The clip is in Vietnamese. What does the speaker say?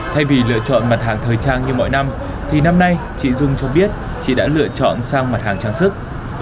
thay vì lựa chọn mặt hàng thời trang như mọi năm thì năm nay chị dung cho biết chị đã lựa chọn sang mặt hàng trang sức